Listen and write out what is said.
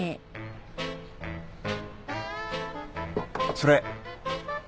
・それ。